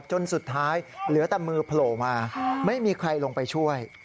จนสุดท้ายเหลือแต่มือโผล่มาไม่มีใครลงไปช่วย